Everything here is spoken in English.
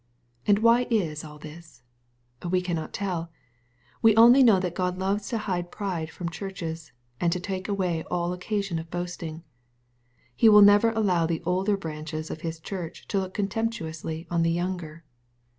— And why is all this ? We cannot tell. We only know that God loves to hide pride from churches, and to take away all occasion of boasting. He will never allow the older branches of His church to look contemptuously on the younger.